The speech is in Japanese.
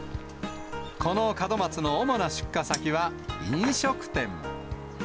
この門松の主な出荷先は飲食店。